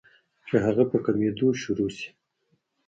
چې هغه پۀ کمېدو شورو شي